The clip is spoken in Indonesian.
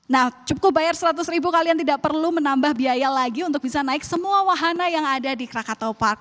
nah cukup bayar seratus ribu kalian tidak perlu menambah biaya lagi untuk bisa naik semua wahana yang ada di krakatopark